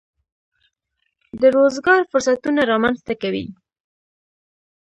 د روزګار فرصتونه رامنځته کوي.